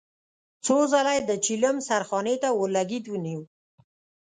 څو ځله يې د چيلم سرخانې ته اورلګيت ونيو.